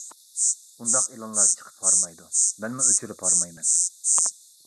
ئۇنداق ئېلانلار چىقىپ ھارمايدۇ، مەنمۇ ئۆچۈرۈپ ھارمايمەن.